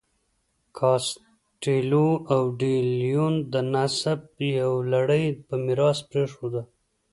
کاسټیلو او ډي لیون د نسب یوه لړۍ په میراث پرېښوده.